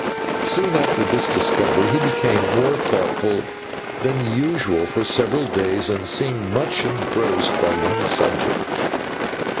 Soon after this discovery, he became more thoughtful than usual for several days, and seemed much engrossed by one subject.